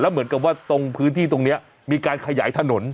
เหมือนกับว่าตรงพื้นที่ตรงนี้มีการขยายถนน